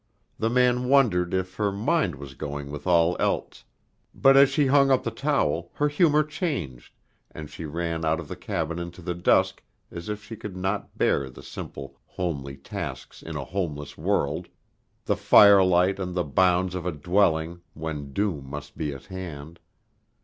The man wondered if her mind was going with all else; but as she hung up the towel, her humor changed, and she ran out of the cabin into the dusk as if she could not bear the simple, homely tasks in a homeless world, the firelight and the bounds of a dwelling when doom must be at hand.